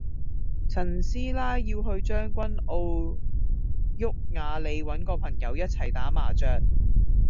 陳師奶要去將軍澳毓雅里搵個朋友一齊打麻雀